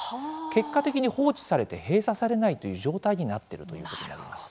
結果的に放置されて閉鎖されないという状態になっているということなんです。